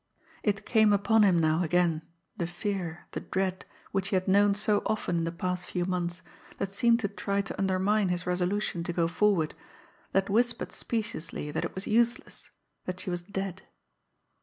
It came upon him now again, the fear, the dread, which he had known so often in the past few months, that seemed to try to undermine his resolution to go forward, that whispered speciously that it was useless that she was dead.